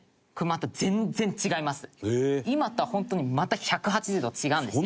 今とは本当にまた１８０度違うんですよ。